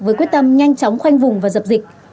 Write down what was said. với quyết tâm nhanh chóng khoanh vùng và dập dịch